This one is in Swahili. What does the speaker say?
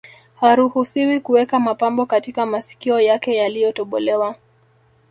Haruhusiwi kuweka mapambo katika masikio yake yaliyotobolewa